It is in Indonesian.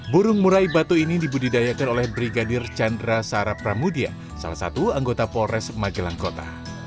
burung murai batu ini dibudidayakan oleh brigadir chandra sarah pramudia salah satu anggota polres magelang kota